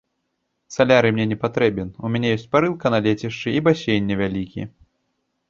Салярый мне не патрэбен, у мяне ёсць парылка на лецішчы і басейн невялікі.